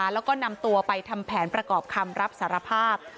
แล้วก็นำตัวไปทำแผนประกอบคำรับสารภาพ